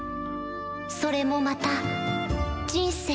それもまた人生